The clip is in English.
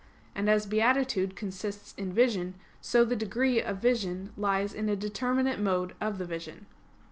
And as beatitude consists in vision, so the degree of vision lies in a determinate mode of the vision.